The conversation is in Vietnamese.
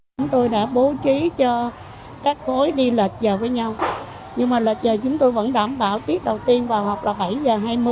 chúng tôi đã bố trí cho các khối đi lệch giờ với nhau nhưng mà lệch giờ chúng tôi vẫn đảm bảo tiết đầu tiên vào hoặc là bảy h hai mươi